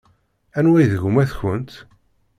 Anwa i d gma-tkent?